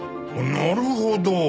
なるほど！